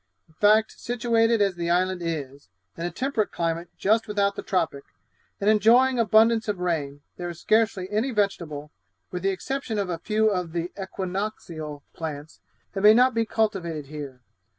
In fact, situated as the island is, in a temperate climate just without the tropic, and enjoying abundance of rain, there is scarcely any vegetable, with the exception of a few of the equinoxial plants, that may not be cultivated here.